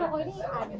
hari ini cuci jalan